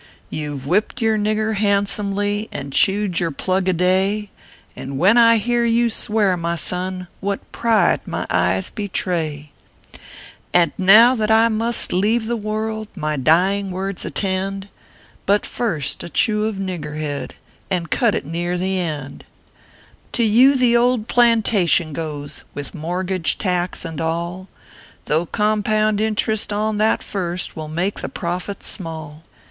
You ve whipped your nigger handsomely, And chewed your plug a day; And when I hear you swear, my son, What pride my eyes betray ! And now, that I must leave the world, My dying words attend; But first, a chew of niggerhead, And cut it near the end. To you the old plantation goes, With mortgage, tax, and all, Though compound interest on that first, "Will make the profit small.